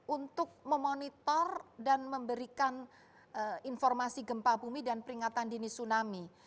untuk memonitor dan memberikan informasi gempa bumi dan peringatan dini tsunami